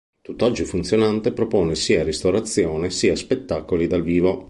Tutt'oggi funzionante, propone sia ristorazione sia spettacoli dal vivo.